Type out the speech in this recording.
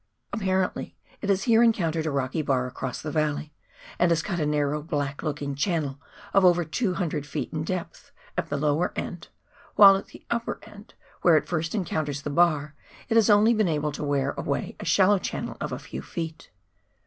Apparently it has here en countered a rocky bar across the valley, and has cut a narrow, black looking channel of over 200 ft. in depth at the lower end, while at the upper end, where it first encounters the bar, it has only been able to wear away a shallow channel of a few feet.